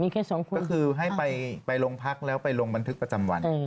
ก็คือให้ไปลงพักแล้วไปลงบันทึกประจำวัน